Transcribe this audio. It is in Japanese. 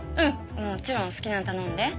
もちろん好きなの頼んで。